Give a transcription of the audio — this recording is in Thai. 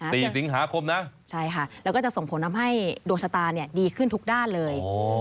สี่สิงหาคมนะใช่ค่ะแล้วก็จะส่งผลทำให้ดวงชะตาเนี่ยดีขึ้นทุกด้านเลยโอ้